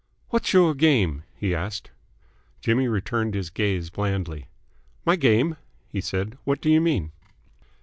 "What's your game?" he asked. Jimmy returned his gaze blandly. "My game?" he said. "What do you mean?"